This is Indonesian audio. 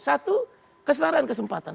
satu kesenaraan kesempatan